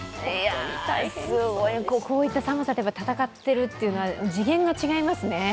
すごい、こういった寒さと戦っているというのは次元が違いますね。